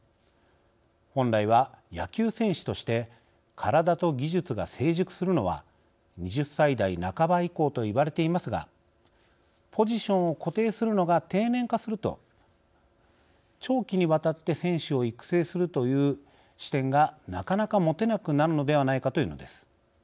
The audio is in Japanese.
本来は野球選手として体と技術が成熟するのは２０歳台半ば以降といわれていますがポジションを固定するのが低年齢化すると長期にわたって選手を育成するという視点がなかなか持てなくなるのではないかというのです。